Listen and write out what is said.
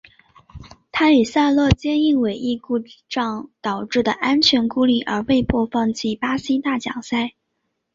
他与萨洛皆因尾翼故障导致的安全顾虑而被迫放弃巴西大奖赛。